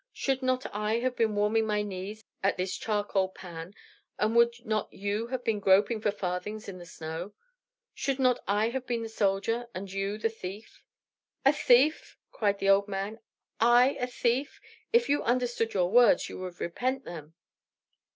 Should not I have been warming my knees at this charcoal pan, and would not you have been groping for farthings in the snow? Should not I have been the soldier, and you the thief?" "A thief!" cried the old man. "I a thief! If you understood your words, you would repent them."